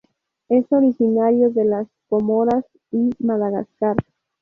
Es originario de las Comoras y Madagascar.